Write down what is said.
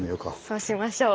そうしましょう。